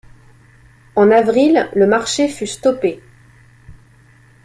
En avril, le marché fut stoppé.